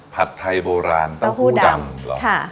ผัดไทยโบราณเต้าหู้ดำเหรอ